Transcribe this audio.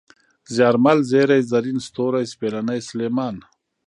زيارمل ، زېرى ، زرين ، ستوری ، سپېلنی ، سلېمان